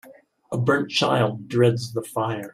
A burnt child dreads the fire.